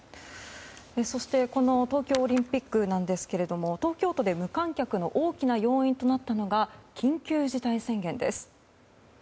そして東京オリンピックなんですが東京都で無観客の大きな要因となったのが緊急事態宣言です。